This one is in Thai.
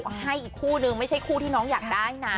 ก็ให้อีกคู่นึงไม่ใช่คู่ที่น้องอยากได้นะ